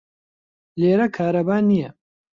لێرە کارەبا نییە.